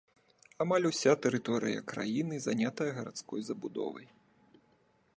Амаль уся тэрыторыя краіны занятая гарадской забудовай.